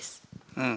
うん。